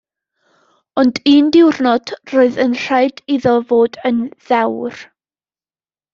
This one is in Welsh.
Ond un diwrnod roedd yn rhaid iddo fod yn ddewr.